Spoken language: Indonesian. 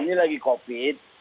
ini lagi covid